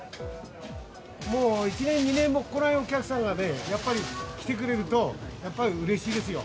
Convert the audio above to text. もう１年２年も来ないお客さんがね、やっぱり来てくれると、やっぱりうれしいですよ。